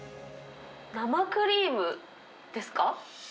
生クリームですか？